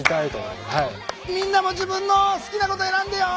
みんなも自分の好きなこと選んでよ！